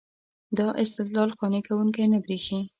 دا استدلال قانع کوونکی نه برېښي.